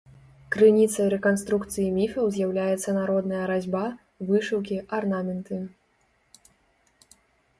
Крыніцай рэканструкцыі міфаў з'яўляецца народная разьба, вышыўкі, арнаменты.